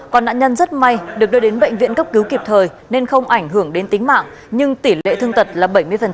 còn nạn nhân rất may được đưa đến bệnh viện cấp cứu kịp thời nên không ảnh hưởng đến tính mạng nhưng tỷ lệ thương tật là bảy mươi